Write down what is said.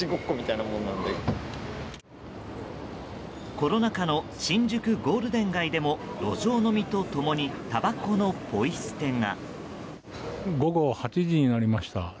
コロナ禍の新宿ゴールデン街でも路上飲みと共にたばこのポイ捨てが。